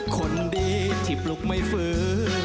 คนดีที่ปลุกไม่ฟื้น